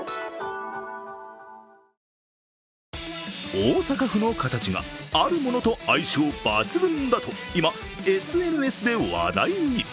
大阪府の形が、あるものと相性抜群だと今、ＳＮＳで話題に。